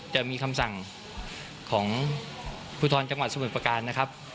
จะมีคำสั่งของภูทรจังหวัดสมุทรประการนะครับ